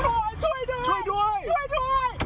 ข้างหลังไม่เข้าใจว่าเขาต้องการอะไร